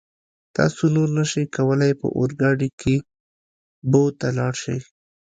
تاسو نور نشئ کولای په اورګاډي کې بو ته لاړ شئ.